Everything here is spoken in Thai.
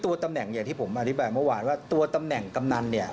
ตัวตำแหน่งอย่างที่ผมอธิบายเมื่อวานว่าตัวตำแหน่งกำนันเนี่ย